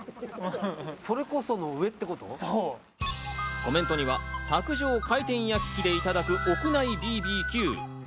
コメントには、卓上回転焼き機でいただく屋内ＢＢＱ。